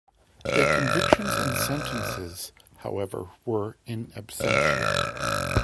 Their convictions and sentences, however, were "in absentia".